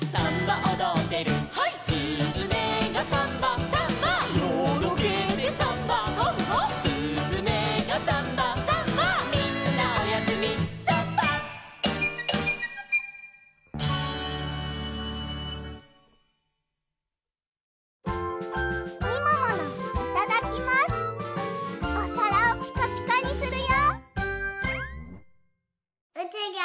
おさらをピカピカにするよ。